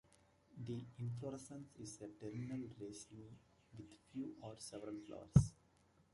The inflorescence is a terminal raceme with few or several flowers.